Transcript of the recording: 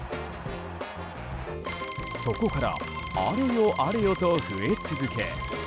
そこから、あれよあれよと増え続け。